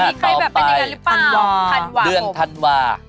มีใครแบบเป็นอย่างนั้นหรือเปล่า